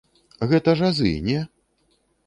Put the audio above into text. Гэта ж азы, не?